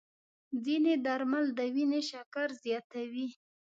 ځینې درمل د وینې شکر زیاتوي.